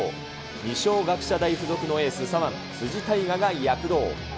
二松学舎大付属のエース、左腕、辻大雅が躍動。